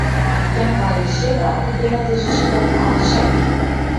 Kinne wy hjir sitte of binne dizze stuollen al beset?